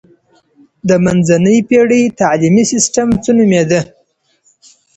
د منځنۍ پېړۍ تعلیمي سیستم څه نومیده؟